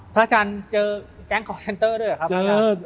พระอาจารย์เจอกันจากแจ๊งขอร์เซ็นเตอร์มรึยังครับ